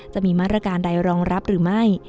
จะมีมาตรการใดรองรับหรือไม่